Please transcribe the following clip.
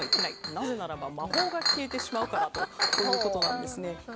なぜならば魔法が消えてしまうからということなんですね。